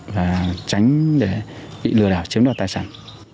và tránh để bị lừa đảo chiếm đoạt tài sản